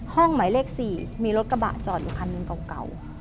หมายเลข๔มีรถกระบะจอดอยู่คันหนึ่งเก่า